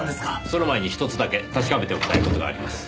その前にひとつだけ確かめておきたい事があります。